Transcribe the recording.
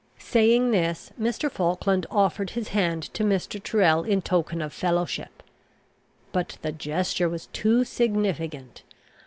Saying this, Mr. Falkland offered his hand to Mr. Tyrrel in token of fellowship. But the gesture was too significant.